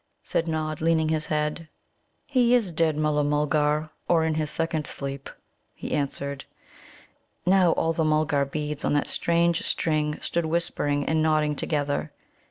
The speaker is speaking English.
said Nod, leaning his head. "He is dead, Mulla mulgar, or in his second sleep," he answered. Now, all the Mulgar beads on that strange string stood whispering and nodding together.